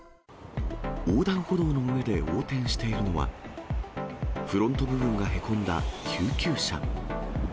横断歩道の上で横転しているのは、フロント部分がへこんだ救急車。